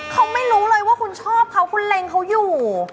เขาไม่รู้เลยว่าคุณชอบเขาคุณเล็งเขาอยู่